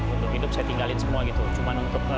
untuk hidup saya tinggalin semua gitu